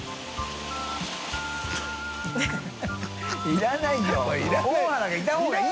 いらないんだよ！